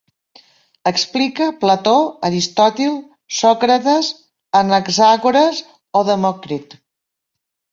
Explique Plató, Aristòtil, Sòcrates, Anaxàgores o Demòcrit?